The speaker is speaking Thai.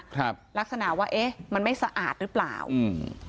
ครับลักษณะว่าเอ๊ะมันไม่สะอาดหรือเปล่าอืม